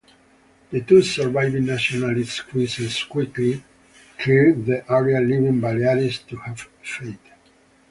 The two surviving Nationalist cruisers quickly cleared the area, leaving "Baleares" to her fate.